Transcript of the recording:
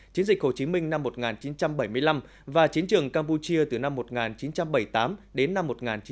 chiến dịch hồ chí minh năm một nghìn chín trăm bảy mươi năm và chiến trường campuchia từ năm một nghìn chín trăm bảy mươi tám đến năm một nghìn chín trăm bảy mươi